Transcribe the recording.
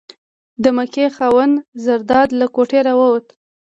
د مکۍ خاوند زرداد له کوټې راووت.